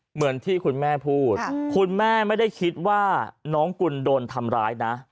เหมือนที่คุณแม่พูดคุณแม่ไม่ได้คิดว่าน้องกุลโดนทำร้ายนะ